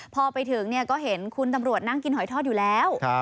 พอไปถึงก็เห็นคุณตำรวจนั่งกินหอยทอดอยู่แล้ว